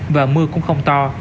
và mưa cũng không to